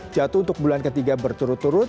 jatuh untuk bulan ketiga berturut turut